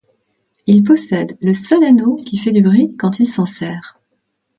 Il possède le seul anneau qui fait du bruit quand il s'en sert.